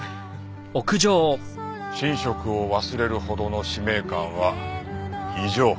寝食を忘れるほどの使命感は異常か。